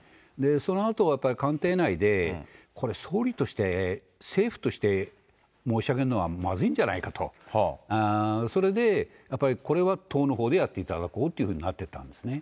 そのあと、やっぱり官邸内で、これ、総理として、政府として、申し上げるのはまずいんじゃないかと、それでやっぱり、これは党のほうでやっていただこうというふうになっていったんですね。